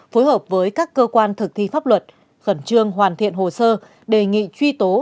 phối hợp với các cơ quan thực thi pháp luật khẩn trương hoàn thiện hồ sơ đề nghị truy tố